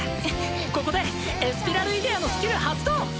ここでエスペラルイデアのスキル発動！